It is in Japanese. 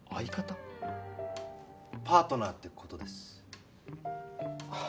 パートナーって事です。